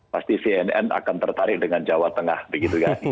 pasti cnn akan tertarik dengan jawa tengah begitu kan